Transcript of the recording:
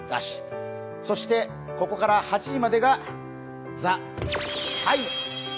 そして、ここから８時までが「ＴＨＥＴＩＭＥ，」。